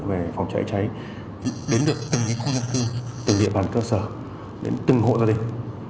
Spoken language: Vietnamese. về phòng cháy cháy đến được từng khu dân cư từ địa bàn cơ sở đến từng hộ gia đình